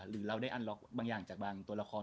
หรือเราได้อันล็อกบางอย่างจากบางตัวละคร